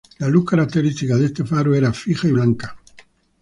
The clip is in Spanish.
La luz característica de este faro era fija y blanca.